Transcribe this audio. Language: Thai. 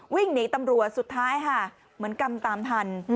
วิ่งหนีตำรวจสุดท้ายค่ะเหมือนกำตามทัน